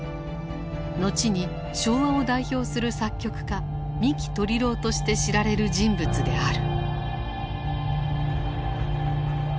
後に昭和を代表する作曲家三木鶏郎として知られる人物である。